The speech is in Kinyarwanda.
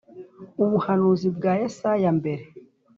Ubuhanuzi bwa Yesaya mbere